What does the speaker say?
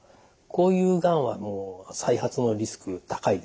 こういうがんは再発のリスク高いです。